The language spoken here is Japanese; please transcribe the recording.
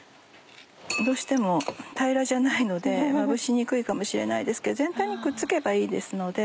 どうしても平らじゃないのでまぶしにくいかもしれないですけど全体にくっつけばいいですので。